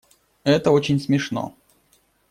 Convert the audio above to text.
Это очень смешно.